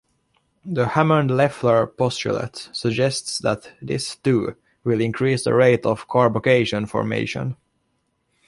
The Hammond-Leffler postulate suggests that this too will increase the rate of carbocation formation.